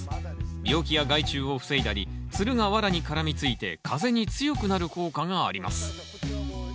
病気や害虫を防いだりつるがワラに絡みついて風に強くなる効果があります。